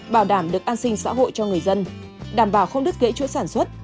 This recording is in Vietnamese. bảo đảm được an sinh xã hội cho người dân đảm bảo không đứt ghế chỗ sản xuất